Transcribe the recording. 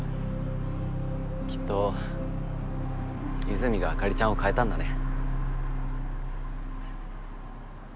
きっと和泉があかりちゃんを変えたんだね